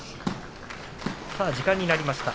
時間になりました。